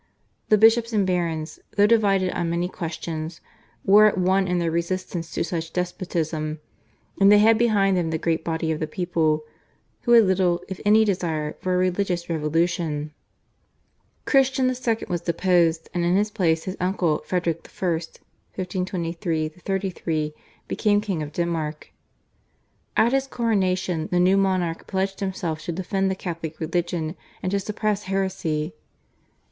The bishops and barons, though divided on many questions, were at one in their resistance to such despotism, and they had behind them the great body of the people, who had little if any desire for a religious revolution. Christian II. was deposed, and in his place his uncle, Frederick I. (1523 33), became king of Denmark. At his coronation the new monarch pledged himself to defend the Catholic religion and to suppress heresy.